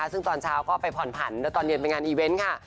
ซึ่งตอนเช้าก็ไปผ่อนผันแล้วตอนเรียนไปงานอีเวนต์ค่ะ